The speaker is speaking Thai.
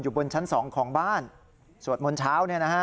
อยู่บนชั้นสองของบ้านสวดมนตร์เช้า